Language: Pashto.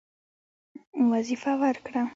وظیفه ورکړه.